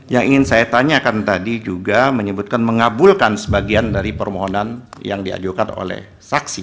yang ingin saya tanyakan tadi juga menyebutkan mengabulkan sebagian dari permohonan yang diajukan oleh saksi